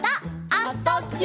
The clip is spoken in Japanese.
「あ・そ・ぎゅ」